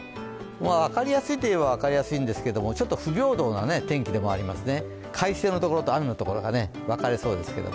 分かりやすいといえば分かりやすいんですけどもちょっと不平等な天気でもありますね。